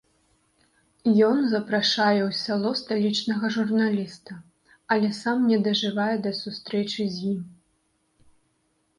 Ён запрашае ў сяло сталічнага журналіста, але сам не дажывае да сустрэчы з ім.